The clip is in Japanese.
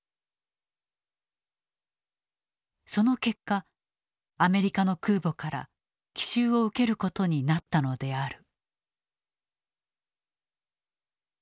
その結果アメリカの空母から奇襲を受けることになったのである。